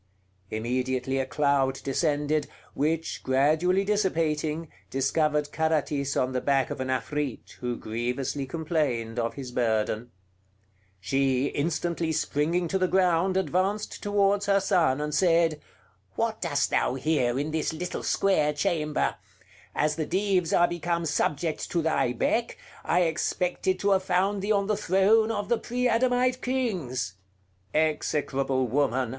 Immediately a cloud descended, which, gradually dissipating, discovered Carathis on the back of an Afrit, who grievously complained of his burden. She, instantly springing to the ground, advanced towards her son and said: "What dost thou here in this little square chamber? As the Dives are become subject to thy beck, I expected to have found thee on the throne of the pre Adamite Kings." "Execrable woman!"